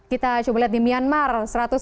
kita coba lihat di myanmar satu ratus empat belas